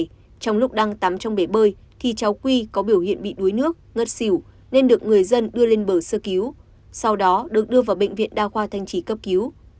trong trung cư iec tám trong bể bơi cháu quy có biểu hiện bị đuối nước ngất xỉu nên được người dân đưa lên bờ sơ cứu sau đó được đưa vào bệnh viện đa khoa thanh trì cấp cứu